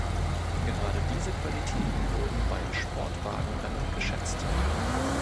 Gerade diese Qualitäten wurden bei Sportwagenrennen geschätzt.